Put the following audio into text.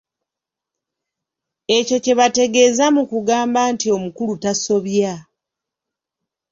Ekyo kye bategeeza mu kugamba nti omukulu tasobya.